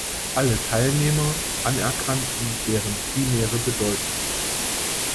Alle Teilnehmer anerkannten deren primäre Bedeutung.